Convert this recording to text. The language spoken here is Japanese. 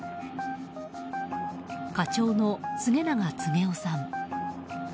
課長の助永恒夫さん。